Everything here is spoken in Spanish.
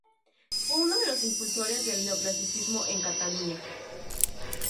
Fue uno de los impulsores del neoclasicismo en Cataluña.